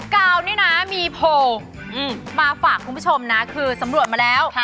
กาวนี่นะมีโพลมาฝากคุณผู้ชมนะคือสำรวจมาแล้ว